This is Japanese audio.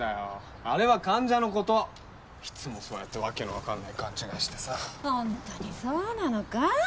あれは患者のこといつもそうしてワケの分からない勘違いしてほんとにそうなの？